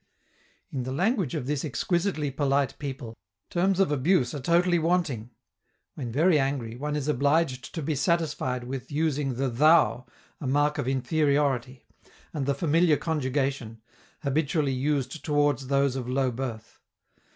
In the language of this exquisitely polite people, terms of abuse are totally wanting; when very angry, one is obliged to be satisfied with using the 'thou', a mark of inferiority, and the familiar conjugation, habitually used toward those of low birth.